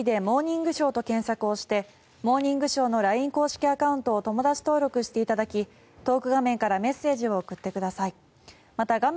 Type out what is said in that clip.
アプリで「モーニングショー」と検索をして「モーニングショー」のＬＩＮＥ公式アカウントを友だち登録していただきトーク画面からメッセージを送ってください。